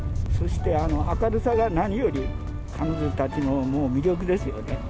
そして明るさが、何より彼女たちの魅力ですよね。